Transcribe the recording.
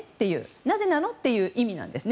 なぜなの？という意味なんです。